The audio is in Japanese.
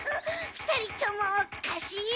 ふたりともおっかしい！